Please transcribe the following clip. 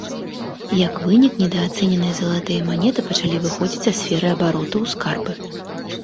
Як вынік, недаацэненыя залатыя манеты пачалі выходзіць са сферы абароту ў скарбы.